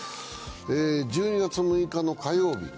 １２月６日の火曜日。